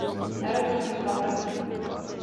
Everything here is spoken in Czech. Narodil se v Kalkatě.